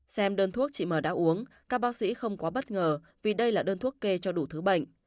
xem đơn thuốc chị m đã uống các bác sĩ không quá bất ngờ vì đây là đơn thuốc kê cho đủ thứ bệnh